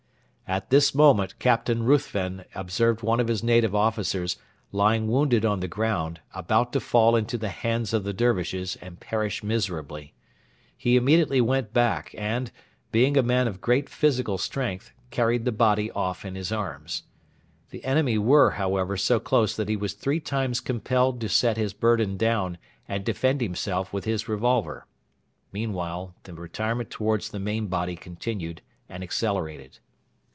At this moment Captain Ruthven observed one of his native officers, lying wounded on the ground, about to fall into the hands of the Dervishes and perish miserably. He immediately went back and, being a man of great physical strength, carried the body off in his arms. The enemy were, however, so close that he was three times compelled to set his burden down and defend himself with his revolver. Meanwhile the retirement towards the main body continued and accelerated.